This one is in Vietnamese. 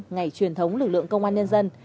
ngày truyền thống lực lượng công an nhân dân